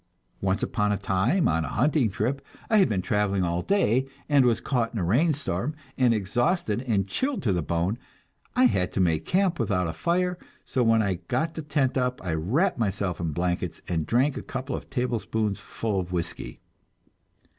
Once upon a time, on a hunting trip, I had been traveling all day, and was caught in a rain storm, and exhausted and chilled to the bone; I had to make camp without a fire, so when I got the tent up I wrapped myself in blankets and drank a couple of tablespoons full of whiskey.